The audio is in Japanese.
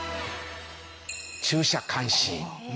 駐車監視員。